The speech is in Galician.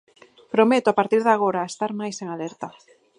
Prometo a partir de agora estar máis en alerta.